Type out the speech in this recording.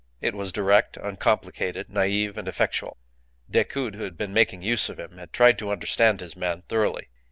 It was direct, uncomplicated, naive, and effectual. Decoud, who had been making use of him, had tried to understand his man thoroughly.